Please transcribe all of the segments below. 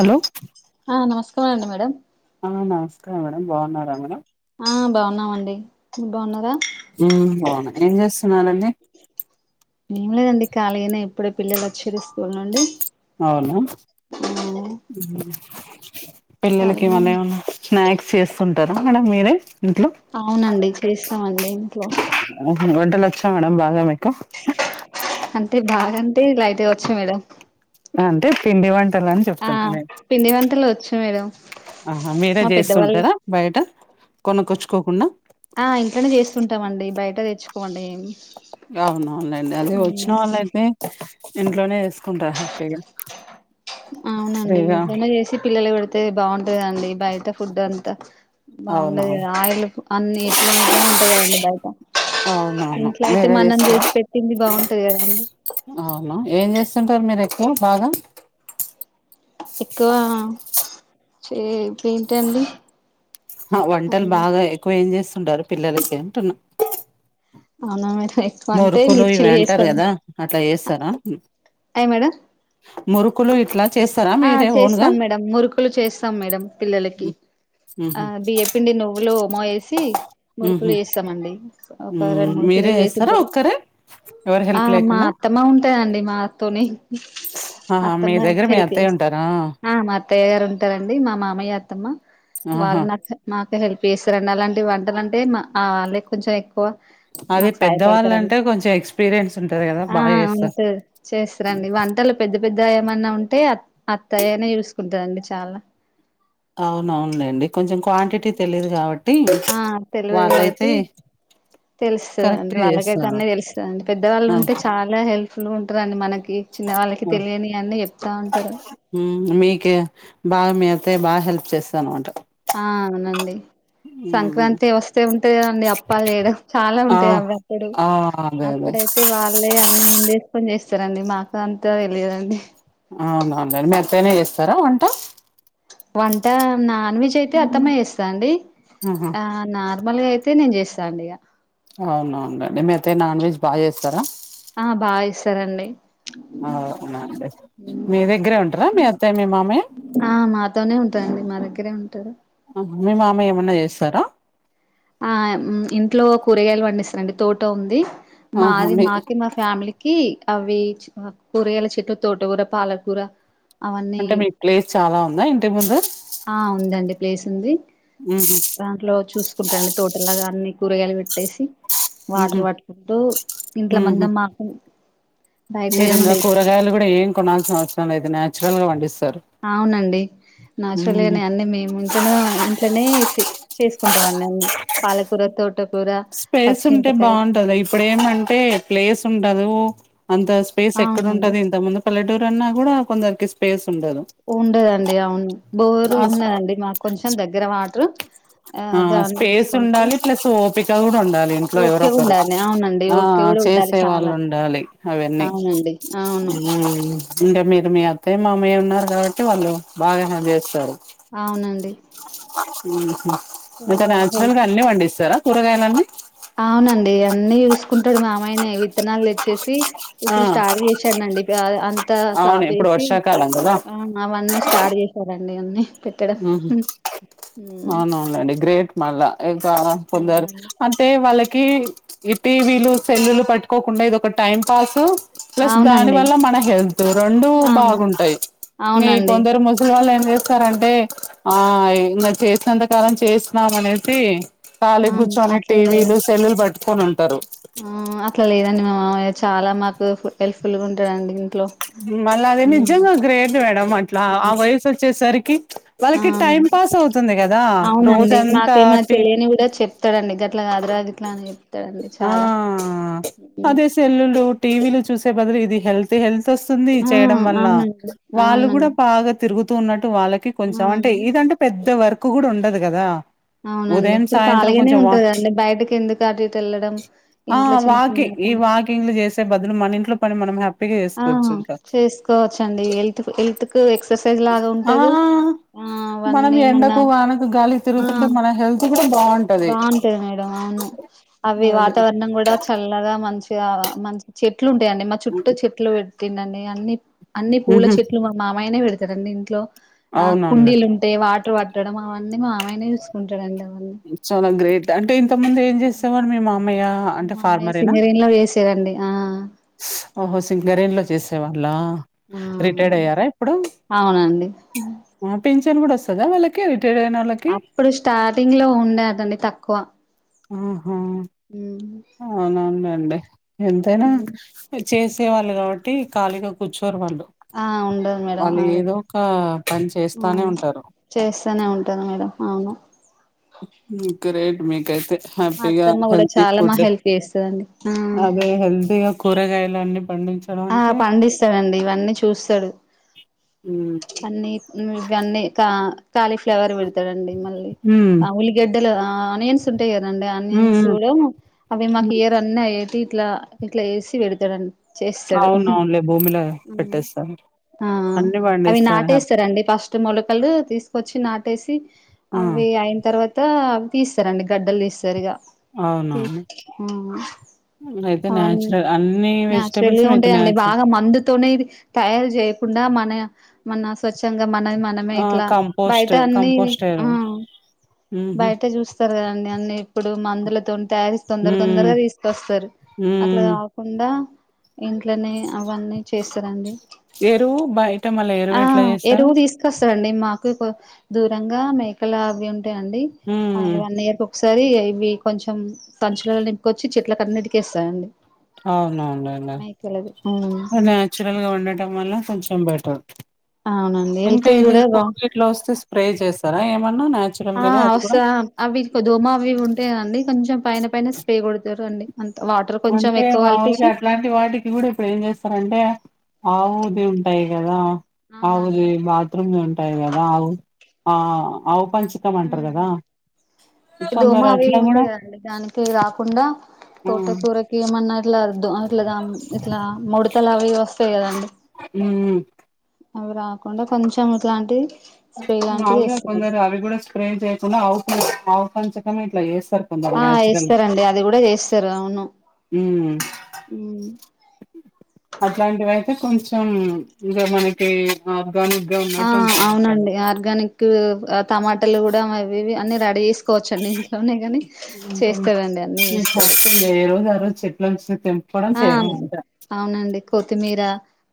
Hello ఆ నమస్కారం అండి మేడం ఆ నమస్కారం మేడం బాన్నారా మేడంమ్ ఆ బాన్నామండి మీ బాన్నారా ఉ బావునా ఏం చేస్తున్నారండి ఏం లేదండి కళీగనే ఇప్పుడే పిల్లలు ఒచ్చిరు స్కూల్ నుండి అవునా ఉ ఆ పిల్లలకి మల్ల ఖాళీగానే. ఏమన్నా స్నాక్స్ చేస్తుంటర మేడం మీరే ఇంట్లో అవునండి చేస్తామండి ఇంట్లో ఉహు వంటలొచ్చా మేడం బాగా మీకు అంటె బాగా అంటే లైట్ గా ఓచ్చు మేడం ఆ అంతే పిండి వంటలన్ ఆ పిండి వంటలు ఓచ్ చ్చు మేడం ఆహ మీరే మా పెద్దవాళ్ళు జేస్తుంటరా బయట కొనుకొచ్చుకోకునా ఆ ఇంట్లనే చేస్తుంటమండి బయట తెచ్చుకోము అండి ఏం గవును అవను లేండి అదే వొచ్చిన వాళ్ళ అయితే ఇంట్లోనే ఎస్ కుంట హ్హపీ గా సరిగా ఇట్లా చేసి పిల్లలు పెడ్ తే బాగుంటందండి బయట ఫుడ్ అంత బాగుండదు అవునవును కదా ఆయిల్ అన్ని ఎట్లనో ఎట్లనొ ఉంటాయి కదండి బయట అవునవును ఇంట్లో అయితే మీరే మనం జేసి పెట్టింది బాగుంటది కదాండి అవునా ఏం చేస్తుంటరు మీరే ఎక్కువ బాగ ఎక్కువ చే పియింటండి ఆ వంటలు బాగా ఎక్కువ ఏం చేస్తుంటరు పిల్లలకి అంటున్నా అవునా మేడం ఎక్కువ అంటే మురుకులు ఇవి మిర్చిలు అంటరు చేస్తాం గదా అట్ల జేస్తరా అయ్ మేడం మురుకులు ఇట్ల ఆ చేస్తాం మేడం మురుకులు చేస్తాం మేడం పిల్లలకి ఆ ఉహు బియ్యపిండి నువ్వులు ఓమో ఏసి మురుకులు ఉహు చేస్తమండి ఒక ఉమ్, రెండు మూడు మీరే కిలలు చేస్తారా జేసింటరు ఒక్కరే ఎవరు ఆ హెల్ప్ మా లేకుండా అత్తమ్మ ఉంటదండి మా తోనే ఆహా మీ అత్తమ్మ దగ్గర మీ చెటి అత్తయ్య చేస్తే ఉంటారా ఆ మా అత్తయ్య గారు ఉంటారండి మా మామయ్య అత్తమ్మ ఆహా వాల్లు నా అచ మా అత్తగా హెల్ప్ చేస్తారండి అలాంటి వంటలంటె మా ఆ వాళ్ళే కొంచెం ఎక్కువ అదే మాకు పెద్దవాళ్ళు సయపడతరండి అంటే కొంచెం ఎక్స్పీరియన్స్ ఉంటది కదా ఆ బాగా చేస్తారు అంటే చేస్తారండి వంటలు పెద్ద పెద్ద ఏమన్నా ఉంటే అ అత్తయ్యనే చూసుకుంటదండి చాలా అవునవునులేండి కొంచెం క్వాంటిటీ తెలిదు కావట్టి ఆ తెలివదు వాళ్ళయితే కాబట్టి కరెక్ట్ తెలుస్తదండి వాళ్ళకైతే చేస్తారు అన్ని తెలుస్తదండి ఆ పెద్దవాళ్ళుంటే చాలా హెల్ప్ ఫుల్ గుంటదండి మనకి ఇ చిన్న వాళ్ళకి ఆ తెలియని అన్ని చెప్తా ఉంటరు ఉమ్ మీకే బాగా మీ అత్తయ్య బాగా హెల్ప్ చేస్తాదన్నమాట ఆ అవునండి సంక్రాంతి వస్తే ఉంటది కదండి అప్పాల్ జేయుడం చాలా ఆ ఉంటాయ్ అవ్వి అప్పుడు ఆ అదే అదే తే వాళ్ళే అన్ని ముందేసుకొని చేస్తారండి మాకె అంత తెలియదండి అవునవునండి మీ అత్తయ్య నే చేస్తారా వంట వంట నాన్ విజ్ అయితే అత్తమ్మ చేస్తాదండి ఆహా ఆ నార్ ర్మల్ గా అయితే నేను చేస్తాండి ఇగ అవునవుండండి మీ అత్తయ్య నాన్ వెజ్ బాగా చేస్తారా ఆ బా చేస్తరండి అవునండి మీ దగ్గరే ఉంటరా మీ అత్తయ్యమీ మామయ్య ఆ మాతోనే ఉంటదండి మా దగ్గరే ఉంటరు అహ మీ మామయ్య ఏమన్నా చేస్తారా ఆ ఇంట్లో కూరగాయలు పండిస్తారండి తోట ఉంది ఆహా మాది మీ మాకి మా ఫ్యామిలీకి అవి చు కూరగాయల చెట్లు తోటగూర పాలకూర అవన్నీ అంటే మీకు ప్లేస్ చాలా ఉందా ఇంటి ముందు ఆ ఉందండి ప్లేస్ ఉంది ఉహు దాంట్లో చూసుకుంటడండి తోటలాగా అన్ని కూరగాయలు పెట్టేసి ఉహు వాటర్ పట్టుకుంటూ ఇంట్ల ఉహు మందం మాకు బయటయ్ మీరు ఇంకా నుండి కూరగాయలు గూడా ఏం కొనాల్సిన అవసరం లేద్ న్యాచురల్ గా వండిస్తరు అవునండి న్యాచురల్గనే అన్నీ మేము ఇంక్ టునో ఇంట్లనే చే చేసుకుంటాం అన్ని పాలకూర తోటకూర పచ్చిమిరపకాయల్ ఇప్పుడేమంటే ప్లేస్ ఉండదు అంత స్పేస్ అవునండి ఎక్కడుంటది ఇంతముందు పల్లెటూరు అన్నా గూడా కొందర్కి స్పేస్ ఉండదు ఉండదండి అవును బోరు ఆ స్ ఉన్నదండి మాకు కొంచం దగ్గర వాట్రు ఆ స్పేస్ ఉండాలి ప్లెస్ ఓపిక గూడ ఉండాలి ఇంట్లో ఓపిక ఎవరొకరు ఉండాలి అవునండి ఆ ఓపిక కూడా చెస్ ఉండాలి చాలా సేవలుండాలి అవన్నీ అవునండి అవును ఊమ్ ఇంగ మీరు మీ అత్తయ్య మామయ్య ఉన్నారు గాబట్టి వాళ్ళు బాగా హల్ జేస్తరు అవునండి ఉహు ఇంక చాలా న్యాచురల్గా హెల్ప్ అన్ని వండిస్తరా కూరగాయలన్నీ అవునండి అన్నీ యూస్కుంటడు మామయ్యనే విత్తనాలు దెచ్చేసి ఆ ఇప్పుడు స్టార్ట్ ఏశానండి ప్ ఆ అంతా అవును సాప్ ఇప్పుడు చేసి వర్షాకాలం కదా ఆ అవన్నీ స్టార్డ్ జేసారండి అన్నీ పెట్టడం మ్మ్ హు హ్మ్ అవునవున్లేండి గ్రేట్ మళ్లా ఇంకా కొందరు అవునండి అద్ తే వాళ్ళకి ప్చ్ టీవీలు సెల్లులు పట్టుకోకుండా ఇదొక టైం పాసు ప్లెస్ దాని అవునండి వల్ల మన హెల్త్ రెండూ ఆ బాగుంటయ్ అవునండి ఇంకొందరు ముస్ సలోళ్ళు జేస్తరంటే ఆ ఇంగ చేసినంతకాలం చేసినామనేసి ఆ ఖాళీగ్గూర్చొని అట్లా లేదు టీవీలు సెల్లులు బట్టుకొని ఉంటరు ఆ అట్లా లేదండి మా మామయ్య చాలా మాకు హెల్ప్ఫుల్ గా ఉంటడండి మళ్ళదే నిజంగా గ్రేట్ మేడం అట్లా ఆ వయసొచ్చేసరికి ఆ! వాళ్ళకి టైం పాస్ అవుతుంది గదా, రోజంతా టీ కదండీ గట్లగాదురా, గిట్లని చెప్తడండి ఆ చాలా హ్మ్. అదే సెల్లులు, టీవీలు చూసే బదులు ఇది హెల్తీ హెల్త్ తెస్తుంది ఆ! చేయడం వల్ల, అవునండి. వాళ్ళు గుడా అవునండి. బాగా తిరుగుతూ ఉన్నట్టు వాళ్ళకి కొంచమంటే ఆ! ఇదంటే పెద్ద వర్క్ గుడా ఉండదు గదా. అవునండి ఇప్పుడు ఖాళీగానే ఉంటది కదండి, బైటికెందుకు అటిటు ఎళ్లడం. ఆ వాకింగ్ ఈ వాకింగ్ లు జేసే బదులు, మన ఇంట్లో పని మనం హ్యాపీగా జే ఆ! సుకోవచ్చు ఇక, చేసుకోవచ్చండి. హెల్త్ హెల్త్‌కు ఎక్సర్సైజ్ లాగా ఆ ఉంటది. ఆ! మనం అవన్నీ మన ఎండకు, వానకు గాలికి తిరుగుతుంటే ఆ! మన హెల్త్ కూడా బాగుంట్ బాగుంటది మేడం అవును, అవి అదే వాతావరణం గుడ చల్లగా, మంచిగా మంచిగ మం చెట్లు ఉంటయండి మా చుట్టూ చెట్లు వెట్టిండండి, అన్ని అన్ని పూల ఉహు చెట్లు పం మామయ్యనే వెడ్తరండి ఇంట్లో, ఆ అవునవునులే కుండీలు టే వాటర్ వట్టడం అవన్నీ మా మామయ్యనే జూస్కుంటడండి అవన్నీ. చాలా గ్రేట్, అంటే ఇంతకుముందు ఏం జేసేవాడు మీ మామయ్య? అంటే మావయ్య ఫార్మరేనా సింగరేణిలో జేసేదండి, ఆ స్ ఓహో సింగరేణిలో జేసేవాళ్ళ. ఆ రిటైర్డ్ అయ్యారా ఇప్పుడు? అవునండి ఆ పిన్చన్ గుడ ఒస్తదా వాళ్ళకి రిటైర్డ్ అయినొళ్ళక్? అప్పుడు స్టార్టింగ్ లో ఉండేదండి తక్కువ. ఆహా ఉహు అవునానండే ఎంతైనా ఇద్ చేసే వాళ్ళు గావట్టి ఖాళీగా కూర్చోరు వాళ్ళు. ఆ ఉండదు మేడం వాళ్ళు అదే ఏదో ఒక పన్ చేస్తానే ఉంటారు. చేస్తనే ఉంటరు మేడం అవును. గ్రేట్ మీకైతే మా హ్యాపీగా అత్తమ్మ కూడా హెల్తీ చాలా మా ఫుడ్డు, హెల్ప్ చేస్తదండి అవే హెల్తీగా కూరగాయలన్నీ పండించడం ఆ అంటే పండిస్తడండి ఇవన్నీ చూస్తడు, హ్మ్. అన్నీ ఉమ్ ఇవన్నీ కా కాలీఫ్లేవర్ పెడతడండి మళ్ళీ హ్మ్. ఆ ఉల్లిగడ్డలు, ఆనియన్స్ ఉంటయి కదండి. హ్మ్. ఆనియన్స్ హ్మ్. లో అవి మాకు హ్మ్. ఇయర్ అన్ని అయ్యేటి ఇట్లా ఇట్ల చేసి పెడతడం, చేస్ చూడు అవునవునులే భూమిలో ఉమ్ పెట్టేస్తారు. ఆ అన్నీ అవి పండిస్తారు హ్యాప్ నాటేస్తరండి ఫస్ ట్ మొలకలు తీసుకొచ్చి నాటేసి, ఆ! అవి అయిన తర్వ త అవి తీస్తరండి గడ్డలు తీస్తరు ఇగ. అవునవును. అయితే అవన్నీ న్యాచురల్, అన్ని నాచురల్ వెజిటబుల్స్ గా మీకు ఉంటాయండి నచుర బాగా మందుతోనే ఇది తయారు చేయకుండా, మన మన స్వచ్ఛంగా మనది మన నా ఆ ఇట్ల బయట కంపోస్ట్ అన్ని కంపోస్ట్ ఎరువు ఉమ్ ఉహు బయట చూస్ స్తరు కదండి అన్ని ఇప్పుడు, మందులతోనీ తయారీసి తొందర ఉమ్ తొందరగా తీసుకొస్తరు, అట్ల ఉమ్ గాకు కుండా ఇంక్ అట్లనే అవన్నీ చేస్తరండి, ఎరువు బయట మళ్ళ ఆ ఎరువు ఎట్లా చేస్తారు ఎరువు తీస్ కొస్తరండి మాకు దూరంగా మేకలా అవి ఉంటయండి, అవి ఉమ్ వన్ ఇయర్ కి ఒక్ ఒకసారి ఇగ ఇవి కొంచం సంచులల్ల నింపుకొచ్చి చెట్ల కన్నీటికేస్తారండి. అవునవును ననా చలదు అవునండి. నాచురల్ గా ఉండటం వల్ల కొంచెం బెటర్ అవునండి హెల్త్ ఇంకా ఇది కూడా బా పర్ గట్లో వస్తే స్ప్రే చేస్తారా ఏమన్నా నాచురల్ ఆ గానే అది కూడా వస్తా అవి కొద్దిగా [inaudible] అవి ఇవి ఉంటాయి కదండి కొంచెం పైన పైన స్ప్రే కొడతారు అండి అంత వాటర్ కొంచెం అంటే ఎక్కువ మాముూలుగా కలిపేసి అట్లాంటి వాటికి కూడా ఇప్పుడు ఏం చేస్తారంటే ఆవుది ఉంటాయి కదా అవునండి అవుది బాత్రూమ్ ఉంటాయి కదా ఆవు ఆ పంచ ఇమ్ దోమా కొందరు అవి అట్లా ఇవి కూడా ఉంటాయి కదండి దానికి రాకుండా ఆ తోట కూరకి ఏమన్నా ఇట్లా దొ ఇట్లా ఇట్లా ముడతలు అవి ఇవి వస్తాయి కదండి ఉమ్ అవి రాకుండా కొంచెం ఇట్లాంటిది మాములుగా కొందరు అవి కూడా స్ప్రే చేయకుండా ఆవు పంచకమే ఆవు పంచకమే ఇట్లా చేస్తారు కొందరు ఆ న్యాచురల్ గా ఏస్తారండి అది కూడా ఏస్తారు అవును ఉమ్ ఉమ్ అట్లాంటివి అయితే కొంచెం ఇంకా మనకి ఉమ్ ఆర్గానిక్ గా ఆ ఉన్నట్టు ఉంటాది అసలు అవునండి ఆర్గానిక్ టమాటాలు కూడా ఇవివి అన్ని రెడీ చేస్ కోచండి ఇంట్లోనే కాని ఉంటుంది చేస్తాదండి అన్ని నేను చేస్తాది హ్యాపీగా ఏ రోజు ఆ రోజు చెట్లు లో నుంచి తెం ఆ అవునండి కొత్తిమీర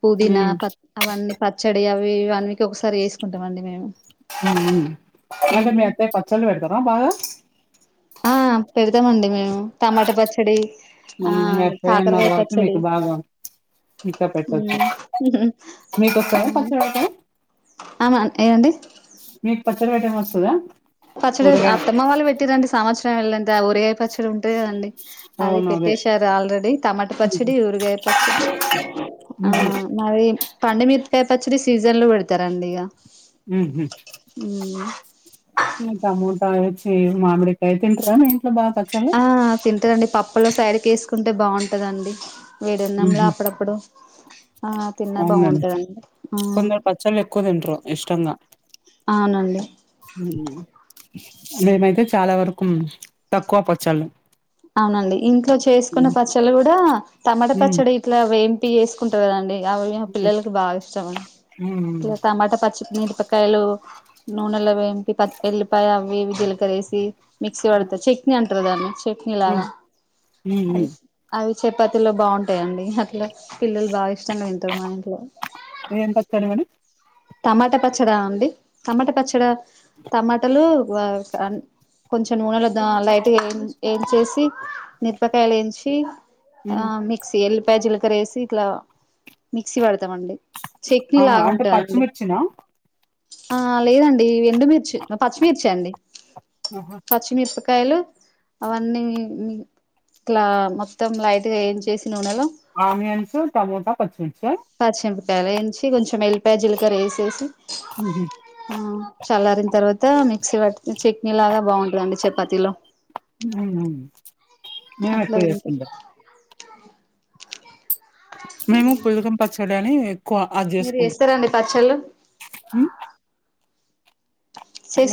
పుదీనా ఉమ్ ప అవన్నీ పచ్చడి అవి ఇవన్నీ వన్ వీక్ కి ఒకసారి చేసుకుంటాం అండి మేము ఉమ్ అంటే మీ హ్మ్. అత్తయ పచ్చలు పెడతారా బాగా ఆ పెడతామండి మేము టమాట పచ్చడి ఆ ఉమ్ మీ అత్తయ్య ఉన్నారు కాకరకాయ కాబట్టి పచ్చడి మీకు బాగా ఇంకా పెట్టొచ్చు ఉమ్ ఉహు మీకు ఆ వస్తదా పచ్చడి పెట్టడం ఆహా ఏం అండి మీకు పచ్చడి పెట్టడం వస్తదా పచ్చడి ఊరగాయ అత్తమ్మ వాళ్ళు పెట్టిరండి సంవత్సరం వెళ్ళంతే ఆ ఉరగాయ పచ్చడి ఉంటది కదండి అది అవును అదే పెట్టేశారు ఆల్రెడీ టమాట ఉహు పచ్చడి ఉరగాయ పచ్చడి ఆ మరి పండు మీరపకాయ పచ్చడి సీజన్ లో పెడతారండి ఇగ ఉహు టమోటా వచ్చి మామిడికాయ తింటార మీ ఇంట్లో బాగా పచ్చాలు ఆ తింటరండి పప్పులో సైడ్కి వేసుకుంటే బాగుంటదండి వేడన్నంలో ఉహు అప్పుడప్పుడు ఆ తిన్న అవునండి బాగుంటదండి ఆ కొందరు పచ్చళ్ళు ఎక్కువ తింటారు అవునండి ఉమ్ మేమైతే చాలా వరకు తక్కువ పచ్చళ్లు అవునండి ఇంట్లో చేసుకున్న పచ్చళ్లు కూడా టమాటా ఉమ్ పచ్చడి ఇట్లా వేంపి చేసు కుంటాయి కదండి అవి పిల్లలకి బాగా ఇష్టం అండి ఉమ్ ఇలా టమాటా పచ్చడి మిరపక కాయలు నూనెల వేంపి ప వెల్లిపాయ అవి ఇవి జీలకర్రేసి మిక్సీ పడుత చట్నీ అంటరు దాన్ని చట్నీ ఉమ్ లాగా అది అవి చపాతీలో బాగుంటాయండి అట్లా పిల్లలు బాగా ఇష్టంగా తింటరు మా ఇంట్లో ఏం పచ్చడి మేడం టమాటా పచ్చడా అండి టమాటా పచ్చడ టమాటలు వ కొంచెం నూనెలో ద లైట్గా ఏం ఏంచేసి మిరపకాయలు ఎంచి ఆ మిక్సీ ఎల్లి ప్యాజీలకర్ర వేసి ఇట్లా మిక్సీ పడతామండి చట్నీలాగా ఉంటదండి చ్చిన ఆ లేదండి ఎండు మిర్చి చ్చి పచ్చిమిర్చి అండి ఆహా! [inaudible] పచ్చిమిరపకాయలు అవన్నీ ఇట్ల మొత్తం లైట్ గా ఏంచేసి నూనెలో ఆనియన్సు టమోటా పచ్చిమిర్చ పచ్చిపకాయలు ఏంచి కొంచెం ఎల్పయా జీలకర్ర ఎసేసి ఉమ్ ఆ చల్లారిన తర్వాత మిక్సీ పట్టి చట్నీ లాగా బాగుంటదండి చపాతీలో [unintelligible] అట్లా మేమట్టే తింటే చేసుకుంటాం మేము పులగం పచ్చడి అని ఎక్కువ అది మీరు చేసుకుంటాం చేస్తారండి పచ్చళ్ళు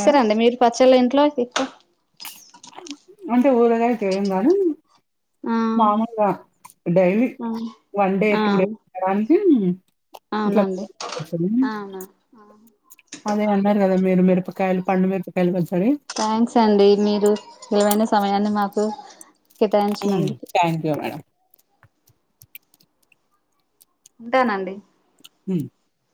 మేడం మీరు పచ్చళ్లు ఇంట్లో ఎక్కువ అంటే ఊరగాయ చేయం గాని ఆ మామూలుగా డైలీ ఆ వన్ డే ఆ టూ డే దానికి ఇట్లా అవునండి [unintelligible] అవునా అదే అన్నారు కదా మీరు మిరపకాయలు పండు మిరపకాయలు పచ్చడి థ్యాంక్స్ అండి మీరు విలువైన సమయాన్ని మాకు కేటాయించినందుకు థ్యాంక్ యూ మేడం ఉంటానండి ఉమ్